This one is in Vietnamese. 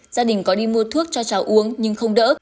gia đình có đi mua thuốc cho cháu uống nhưng không đỡ